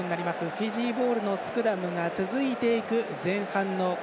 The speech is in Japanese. フィジーボールのスクラムが続いていく前半の形。